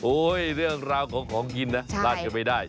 เรื่องราวของของกินนะลาดกันไม่ได้